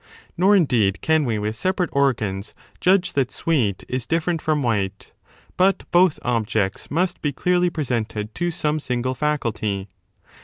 Nor indeed can we with separate organs judge that sweet is different from white, but both objects must be clearly presented to some single faculty.